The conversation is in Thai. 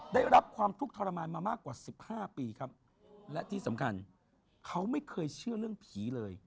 ได้รับความทุกข์ทรมานมามากกว่าสิบห้าปีครับและที่สำคัญเขาไม่เคยเชื่อเรื่องผีเลย